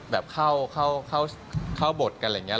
แบบเข้าบทกันอะไรอย่างนี้